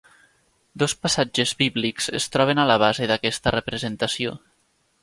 Dos passatges bíblics es troben a la base d'aquesta representació.